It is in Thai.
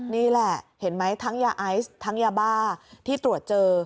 นี่แหละเห็นไหมทั้งยาไอซ์ทั้งยาบ้าที่ตรวจเจอ